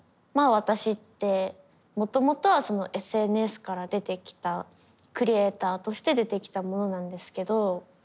私ってもともとはＳＮＳから出てきたクリエーターとして出てきた者なんですけど。